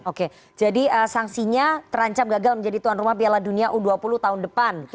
oke jadi sanksinya terancam gagal menjadi tuan rumah piala dunia u dua puluh tahun depan